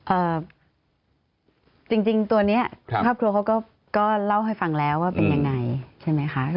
จริงจริงตัวเนี้ยครับครอบครัวเขาก็เล่าให้ฟังแล้วว่าเป็นยังไงใช่ไหมคะ